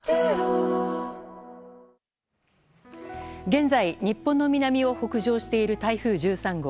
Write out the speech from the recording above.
現在、日本の南を北上している台風１３号。